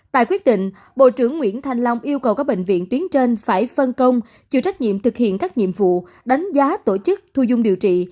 tại quyết định bộ trưởng nguyễn thanh long yêu cầu các bệnh viện tuyến trên phải phân công chịu trách nhiệm thực hiện các nhiệm vụ đánh giá tổ chức thu dung điều trị